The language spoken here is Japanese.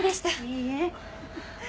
いいえ。